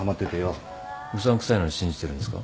うさんくさいのに信じてるんですか？